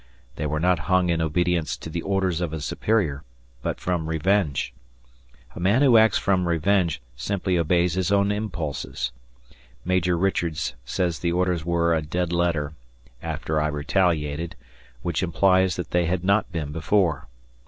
They were not hung in obedience to the orders of a superior, but from revenge. A man who acts from revenge simply obeys his own impulses. Major Richards says the orders were "a dead letter" after I retaliated, which implies that they had not been before.